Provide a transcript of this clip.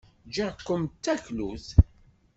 Ggiɣ-kem d taklut.